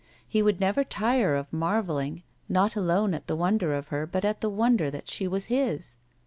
He would never tire of marveling, not alone at the wonder of her, but at the wonder that she was his.